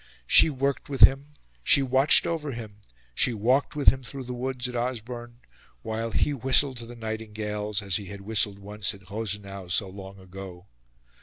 She worked with him, she watched over him, she walked with him through the woods at Osborne, while he whistled to the nightingales, as he had whistled once at Rosenau so long ago.